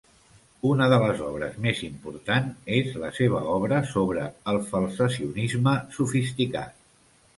Una de les obres més important és la seva obra sobre el Falsacionisme sofisticat.